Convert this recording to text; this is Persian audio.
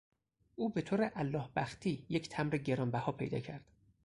او بهطور الله بختی یک تمبر گرانبها پیدا کرد.